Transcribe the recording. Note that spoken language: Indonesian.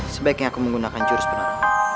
sebaiknya aku menggunakan jurus penolong